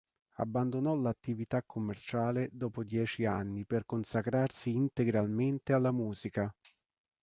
Abbandonò l'attività commerciale dopo dieci anni per consacrarsi integralmente alla musica.